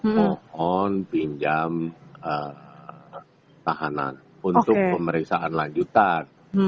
mohon pinjam tahanan untuk pemeriksaan lanjutan